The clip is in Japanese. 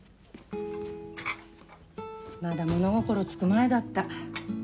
まだ物心つく前だった。